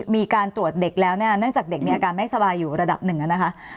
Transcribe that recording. มีการตรวจเด็กแล้วเนี่ยเนื่องจากเด็กมีอาการไม่สบายอยู่ระดับหนึ่งนะคะ